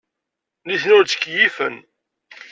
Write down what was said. Nitni ur ttkeyyifen.